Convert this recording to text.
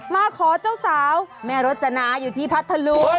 มาขอเจ้าสาวแม่รจนาอยู่ที่พัทธลุง